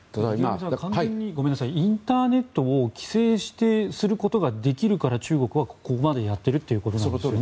インターネットを規制することができるから中国はここまでやっているということなんですよね。